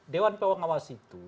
dewan pengawas itu